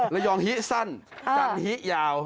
ระยองฮิสั้นจันฮิยาว